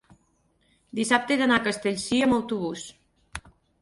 dissabte he d'anar a Castellcir amb autobús.